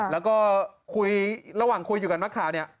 แล้วก็คุยระหว่างคุยอยู่กับนักข่าวเนี่ย